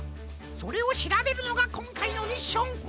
それをしらべるのがこんかいのミッション！